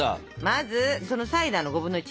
まずそのサイダーの５分の１。